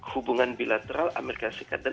hubungan bilateral amerika serikat dan